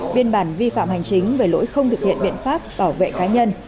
biên bản vi phạm hành chính về lỗi không thực hiện biện pháp bảo vệ cá nhân